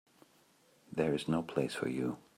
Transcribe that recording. This is no place for you.